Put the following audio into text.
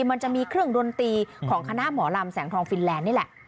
มันจะมีเครื่องดนตรีของคณะหมอลำแสงทองฟินแลนด์นี่แหละ